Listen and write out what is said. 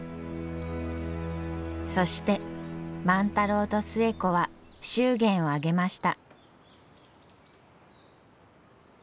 そして万太郎と寿恵子は祝言を挙げました。